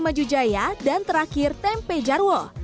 baju jaya dan terakhir tempe jarwo